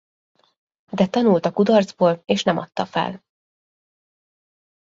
De tanult a kudarcból és nem adta fel.